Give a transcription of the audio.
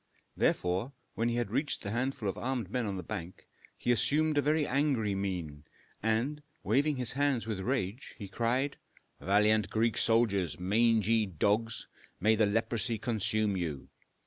Therefore, when he had reached the handful of armed men on the bank, he assumed a very angry mien, and, waving his hands with rage, cried, "Valiant Greek soldiers! mangy dogs, may the leprosy consume you!